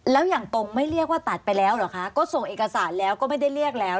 แล้วอย่างตรงไม่เรียกว่าตัดไปแล้วเหรอคะก็ส่งเอกสารแล้วก็ไม่ได้เรียกแล้ว